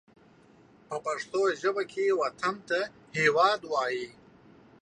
په پښتو ژبه کې وطن ته هېواد وايي